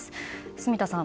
住田さん